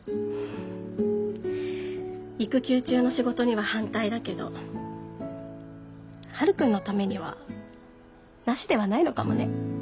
育休中の仕事には反対だけどはるくんのためにはなしではないのかもね。